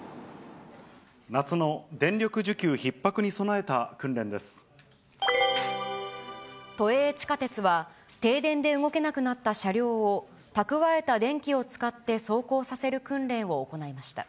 夏の電力需給ひっ迫に備えた都営地下鉄は、停電で動けなくなった車両を、蓄えた電気を使って走行させる訓